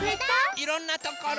いろんなところ。